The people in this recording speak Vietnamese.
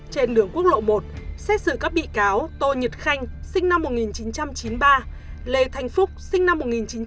trên đường quốc lộ một xét xử các bị cáo tô nhật khanh sinh năm một nghìn chín trăm chín mươi ba lê thanh phúc sinh năm một nghìn chín trăm chín mươi